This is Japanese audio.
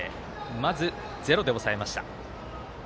まず、ゼロで抑えました。